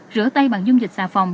rửa tay bằng dung dịch xà phòng